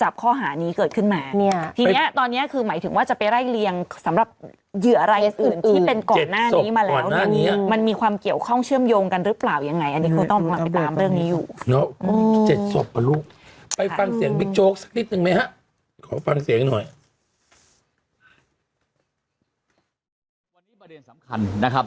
ไปฟังเสียงบิ๊กโจ๊กซักนิดหนึ่งไหมฮะขอฟังเสียงหน่อย